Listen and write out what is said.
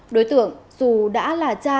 đối tượng dù đã là cha